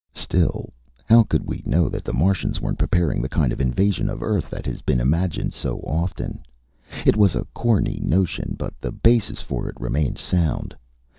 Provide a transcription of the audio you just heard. Still, how could we know that the Martians weren't preparing the kind of invasion of Earth that has been imagined so often? It was a corny notion, but the basis for it remained sound.